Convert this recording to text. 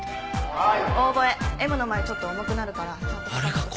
はい。